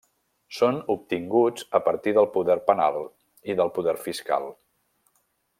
Són obtinguts a partir del poder penal i del poder fiscal.